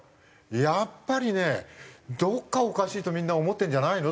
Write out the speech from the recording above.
やっぱりねどこかおかしいとみんな思ってるんじゃないの？